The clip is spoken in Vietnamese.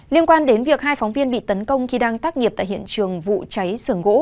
liên quan đến việc hai phóng viên bị tấn công khi đang tác nghiệp tại hiện trường vụ cháy sưởng gỗ